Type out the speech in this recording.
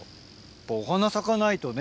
お花咲かないとね。